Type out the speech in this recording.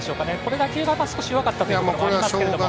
打球が少し弱かったというところもありますけれども。